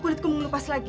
kulitku mau lepas lagi